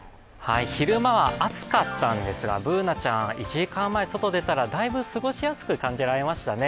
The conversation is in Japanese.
昼間は暑かったんですが、Ｂｏｏｎａちゃん、１時間前、外に出たらだいぶ過ごしやすく感じられましたね。